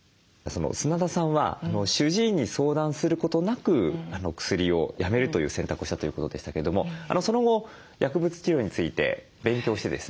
砂田さんは主治医に相談することなく薬をやめるという選択をしたということでしたけれどもその後薬物治療について勉強してですね